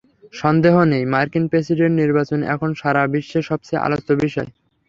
সন্দেহ নেই, মার্কিন প্রেসিডেন্ট নির্বাচন এখন সারা বিশ্বের সবচেয়ে আলোচ্য বিষয়।